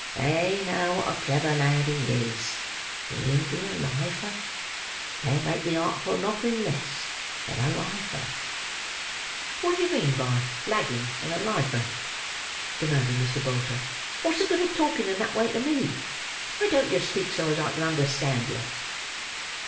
They know what a clever lad he is; he'll be a lifer. They'll make the Artful nothing less than a lifer." "What do you mean by lagging and a lifer?" demanded Mr. Bolter. "What's the good of talking in that way to me; why don't yer speak so as I can understand yer?"